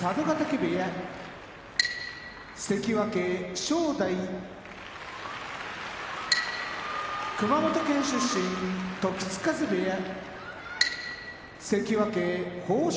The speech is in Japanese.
部屋関脇・正代熊本県出身時津風部屋関脇豊昇